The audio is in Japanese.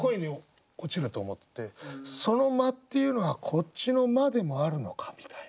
その「魔」っていうのはこっちの「魔」でもあるのかみたいな。